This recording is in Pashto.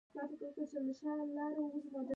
آیا د پسونو حلالول د روغې نښه نه ده؟